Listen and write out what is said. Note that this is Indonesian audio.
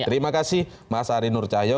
terima kasih mas ari nur cahyo